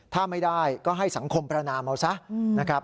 ถ้าไม่ได้ก็ให้สังคมประนามเอาซะนะครับ